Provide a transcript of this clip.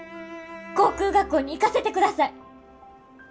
航空学校に行かせてください。